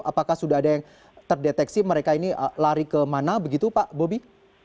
apakah sudah ada yang terdeteksi mereka ini lari kemana begitu pak bobi